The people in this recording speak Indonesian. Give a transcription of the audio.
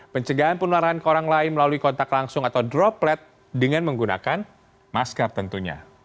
pencegahan penularan ke orang lain melalui kontak langsung atau droplet dengan menggunakan masker tentunya